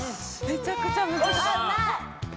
めちゃくちゃむずい。